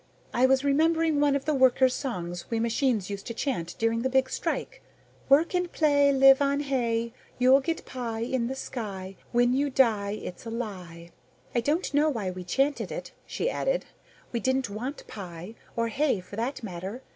I was remembering one of the workers' songs we machines used to chant during the Big Strike "Work and pray, Live on hay. You'll get pie In the sky When you die It's a lie! "I don't know why we chanted it," she added. "We didn't want pie or hay, for that matter.